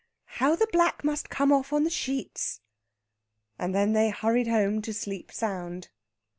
"How the black must come off on the sheets!" And then they hurried home to sleep sound.